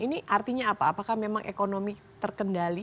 ini artinya apa apakah memang ekonomi terkendali